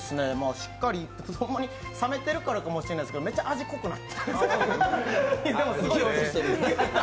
しっかりほんまに冷めてるからかもしれないけど、めちゃ味、濃くなってますね。